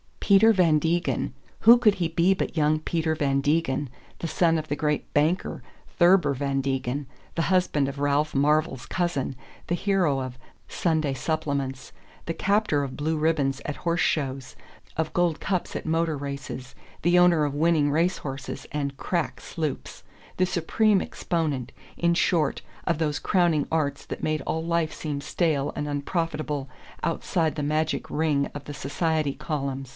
Peter Van Degen who could he be but young Peter Van Degen, the son of the great banker, Thurber Van Degen, the husband of Ralph Marvell's cousin, the hero of "Sunday Supplements," the captor of Blue Ribbons at Horse Shows, of Gold Cups at Motor Races, the owner of winning race horses and "crack" sloops: the supreme exponent, in short, of those crowning arts that made all life seem stale and unprofitable outside the magic ring of the Society Column?